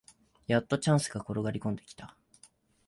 やっとチャンスが転がりこんできた